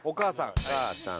お母さん。